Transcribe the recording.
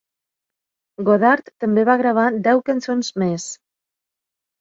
Godard també va gravar deu cançons més.